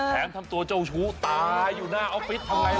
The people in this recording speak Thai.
ทำตัวเจ้าชู้ตายอยู่หน้าออฟฟิศทำไง